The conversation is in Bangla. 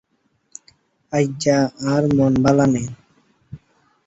আইজ্জা আর মন ভালা নো।